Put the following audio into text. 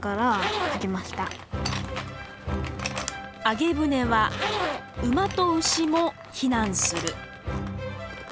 「あげ舟は馬と牛もひなんする」。